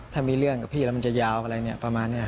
ถ้ามีเรื่องกับพี่แล้วมันจะยาวอะไรเนี่ยประมาณนี้